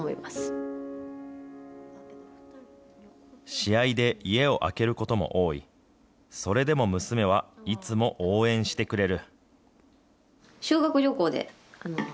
試合で家を空けることも多い、それでも娘はいつも応援してくれる。